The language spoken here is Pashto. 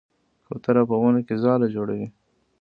کوتره په ونو کې ځاله جوړوي.